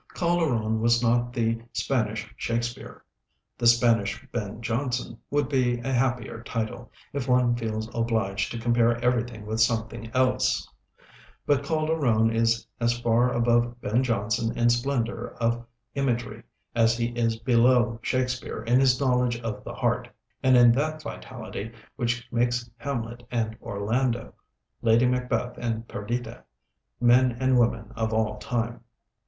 Calderon was not "the Spanish Shakespeare." "The Spanish Ben Jonson" would be a happier title, if one feels obliged to compare everything with something else. But Calderon is as far above Ben Jonson in splendor of imagery as he is below Shakespeare in his knowledge of the heart, and in that vitality which makes Hamlet and Orlando, Lady Macbeth and Perdita, men and women of all time.